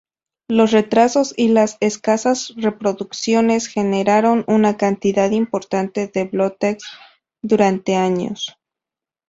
Los retrasos y las escasas reproducciones generaron una cantidad importante de "bootlegs" durante años.